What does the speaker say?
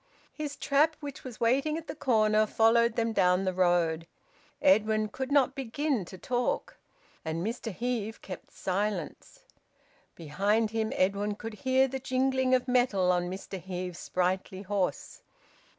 His trap, which was waiting at the corner, followed them down the road. Edwin could not begin to talk. And Mr Heve kept silence. Behind him, Edwin could hear the jingling of metal on Mr Heve's sprightly horse.